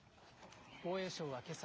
防衛省はけさ